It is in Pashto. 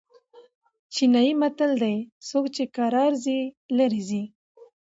چینايي متل دئ: څوک چي کرار ځي؛ ليري ځي.